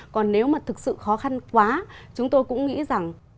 còn nếu mà thực sự khó khăn quá chúng tôi cũng nghĩ rằng